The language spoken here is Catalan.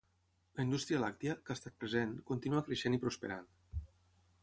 La indústria làctia, que ha estat present, continua creixent i prosperant.